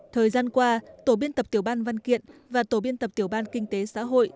thời gian qua tổ biên tập tiểu ban văn kiện và tổ biên tập tiểu ban kinh tế xã hội